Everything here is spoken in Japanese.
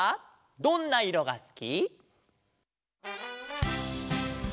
「どんないろがすき」「」